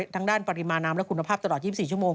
ทั้งด้านปริมาณน้ำและคุณภาพตลอด๒๔ชั่วโมง